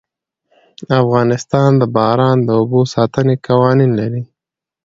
افغانستان د باران د اوبو د ساتنې قوانين لري.